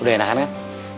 udah enakan kan